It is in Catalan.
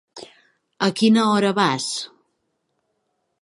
A quina hora vas?